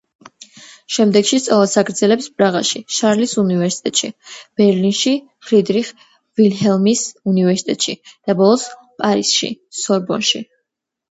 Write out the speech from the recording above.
შემდეგში სწავლას აგრძელებს პრაღაში შარლის უნივერსიტეტში, ბერლინში ფრიდრიხ ვილჰელმის უნივერსიტეტში და ბოლოს პარიზში სორბონში.